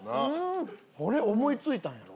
これ思い付いたんやろ？